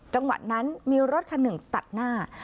จังหวะนั้นมีรถคันหนึ่งตัดหน้า